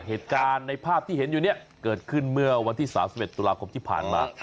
เหตุการณ์ในภาพที่เห็นอยู่เนี่ยเกิดขึ้นเมื่อวันที่๓๑ตุลาคมที่ผ่านมา